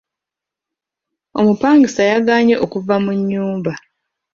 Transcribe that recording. Omupangisa yagaanye okuva mu nnyumba.